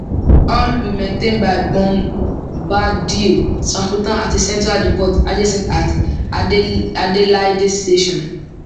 All were maintained by Bombardier Transportation at a central depot adjacent to Adelaide station.